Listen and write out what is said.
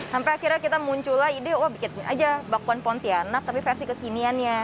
sampai akhirnya kita muncullah ide wah bikin aja bakwan pontianak tapi versi kekiniannya